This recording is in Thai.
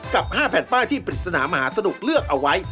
กับ๕แผ่นป้ายที่ปริศนามหาสนุกเลือกเอาไว้